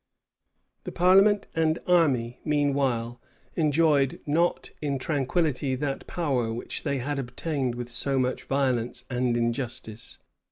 The parliament and army, meanwhile, enjoyed not in tranquillity that power which they had obtained with so much violence and injustice.